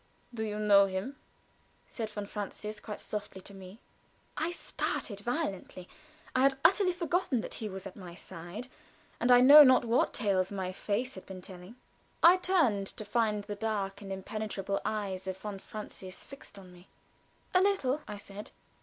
"Do you know him?" said von Francius, quite softly, to me. I started violently. I had utterly forgotten that he was at my side, and I know not what tales my face had been telling. I turned to find the dark and impenetrable eyes of von Francius fixed on me. "A little," I said.